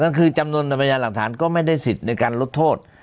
ก็คือจำนวนในพยานหลักฐานก็ไม่ได้สิทธิ์ในการลดโทษ